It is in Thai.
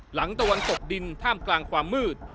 ตะวันตกดินท่ามกลางความมืด